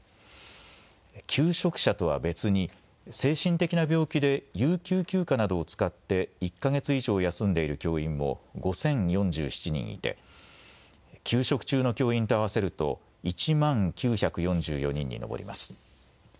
休職者とは別に精神的な病気で有給休暇などを使って１か月以上休んでいる教員も５０４７人いて休職中の教員と合わせると１万９４４人に上ります。